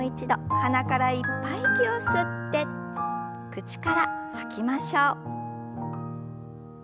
鼻からいっぱい息を吸って口から吐きましょう。